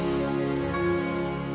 gak mau lagi mampiran